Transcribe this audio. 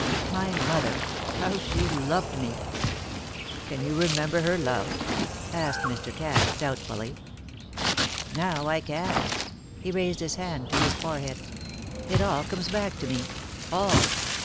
"My mother how she loved me!" "Can you remember her love?" asked Mr. Cass, doubtfully. "Now I can." He raised his hand to his forehead. "It all comes back to me all.